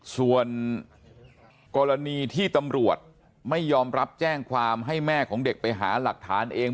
ส่วนกรณีที่ตำรวจไม่ยอมรับแจ้งความให้แม่ของเด็กไปหาหลักฐานเอง